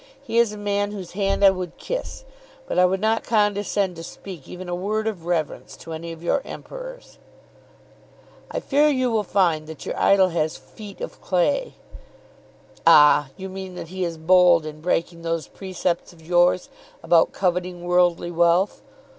He is a man whose hand I would kiss; but I would not condescend to speak even a word of reverence to any of your Emperors." "I fear you will find that your idol has feet of clay." "Ah, you mean that he is bold in breaking those precepts of yours about coveting worldly wealth.